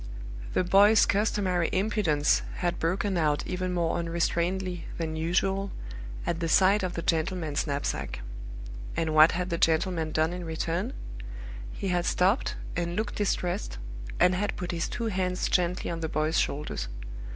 The boy's customary impudence had broken out even more unrestrainedly than usual at the sight of the gentleman's knapsack. And what had the gentleman done in return? He had stopped and looked distressed, and had put his two hands gently on the boy's shoulders.